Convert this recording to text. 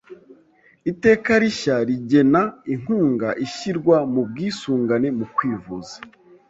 Iteka rishya rigena inkunga ishyirwa mu bwisungane mu kwivuza,